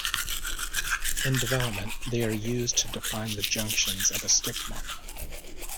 In development, they are used to define the junctions of a stick model.